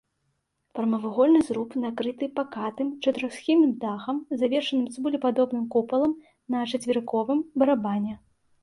Прамавугольны зруб накрыты пакатым чатырохсхільным дахам, завершаным цыбулепадобным купалам на чацверыковым барабане.